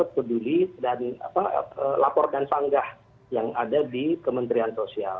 peduli dan laporkan sanggah yang ada di kementerian sosial